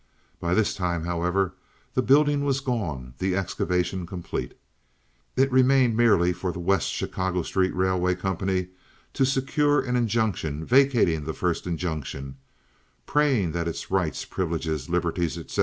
By this time, however, the building was gone, the excavation complete. It remained merely for the West Chicago Street Railway Company to secure an injunction vacating the first injunction, praying that its rights, privileges, liberties, etc.